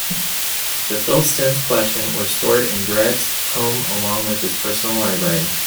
The Filson's collections were stored in Durrett's home along with his personal library.